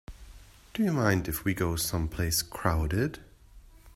Do you mind if we go someplace crowded?